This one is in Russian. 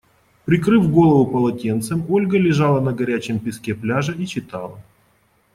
Прикрыв голову полотенцем, Ольга лежала на горячем песке пляжа и читала.